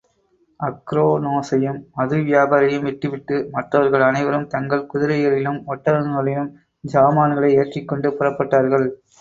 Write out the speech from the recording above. அக்ரோனோசையும், மது வியாபாரியையும் விட்டுவிட்டு, மற்றவர்கள் அனைவரும் தங்கள் குதிரைகளிலும், ஒட்டகங்களிலும் சாமான்களை ஏற்றிக்கொண்டு புறப்பட்டார்கள்.